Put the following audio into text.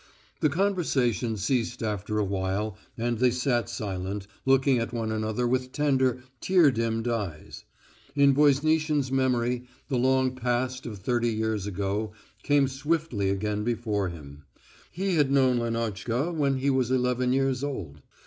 The conversation ceased after a while, and they sat silent, looking at one another with tender, tear dimmed eyes. In Voznitsin's memory the long past of thirty years ago came swiftly again before him. He had known Lenotchka when he was eleven years old.